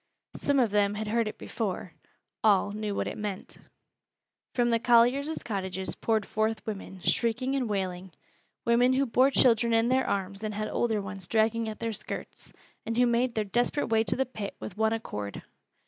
Some of them had heard it before all knew what it meant. From the colliers' cottages poured forth women, shrieking and wailing, women who bore children in their arms and had older ones dragging at their skirts, and who made their desperate way to the pit with one accord.